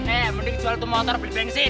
eh mending jual itu motor beli bensin